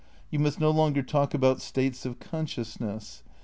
You must no longer talk about states of consciousness.